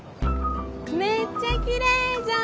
めっちゃきれいじゃん！